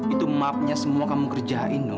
itu maafnya semua kamu kerjain dong